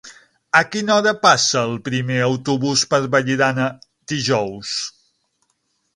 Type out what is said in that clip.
A quina hora passa el primer autobús per Vallirana dijous?